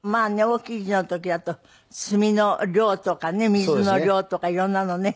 大きい字の時だと墨の量とかね水の量とか色んなのね。